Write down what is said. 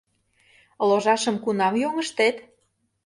Ложашыжым кунам йоҥыштет?